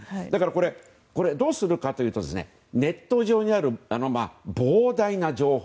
これ、どうするかというとネット上にある膨大な情報。